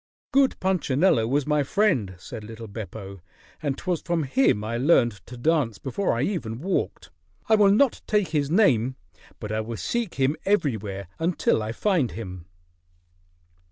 "Good Punchinello was my friend," said little Beppo. "And 'twas from him I learned to dance before I ever walked. I will not take his name, but I will seek him everywhere until I find him."